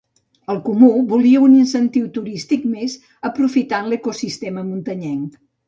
El Comú volia un incentiu turístic més aprofitant l’ecosistema muntanyenc.